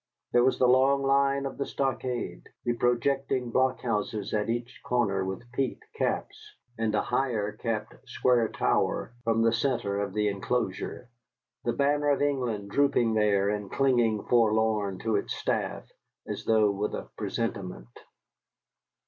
There was the long line of the stockade, the projecting blockhouses at each corner with peaked caps, and a higher capped square tower from the centre of the enclosure, the banner of England drooping there and clinging forlorn to its staff, as though with a presentiment.